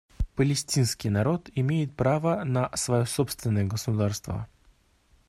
Палестинский народ имеет право на свое собственное государство.